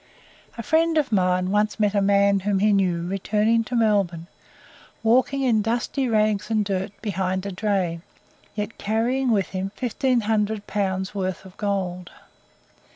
A friend of mine once met a man whom he knew returning to Melbourne, walking in dusty rags and dirt behind a dray, yet carrying with him 1,500 pounds worth of gold.